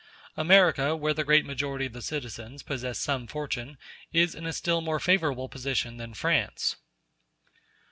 America, where the great majority of the citizens possess some fortune, is in a still more favorable position than France.